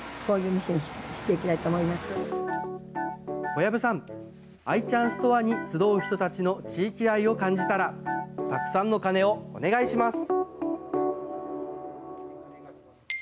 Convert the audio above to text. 小籔さん、愛ちゃんストアに集う人たちの地域愛を感じたら、たくさんの鐘をお願いします。